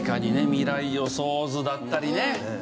『未来予想図』だったりね。